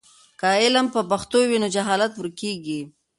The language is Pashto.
که علم په پښتو وي نو جهالت ورکېږي.